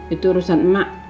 itu urusan mak